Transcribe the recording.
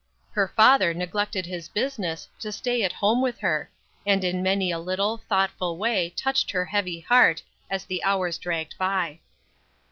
Her father neglected his business to stay at home with her, and in many a little, thoughtful way touched her heavy heart, as the hours dragged by.